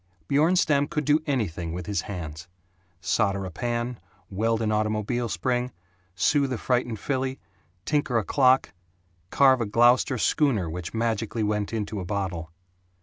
Bjornstam could do anything with his hands solder a pan, weld an automobile spring, soothe a frightened filly, tinker a clock, carve a Gloucester schooner which magically went into a bottle.